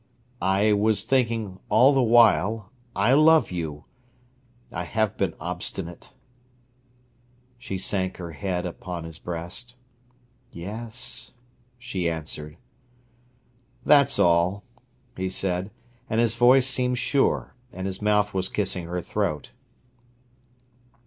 "I was thinking, all the while, I love you. I have been obstinate." She sank her head on his breast. "Yes," she answered. "That's all," he said, and his voice seemed sure, and his mouth was kissing her throat.